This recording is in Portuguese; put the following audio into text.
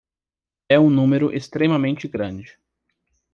É um número extremamente grande